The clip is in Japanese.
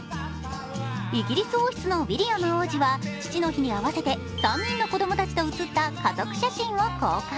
イギリス王室のウィリアム王子は父の日に合わせて３人の子供たちと写った家族写真を公開。